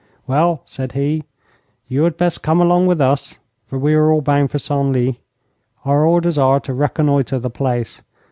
'Well', said he, 'you had best come along with us, for we are all bound for Senlis. Our orders are to reconnoitre the place.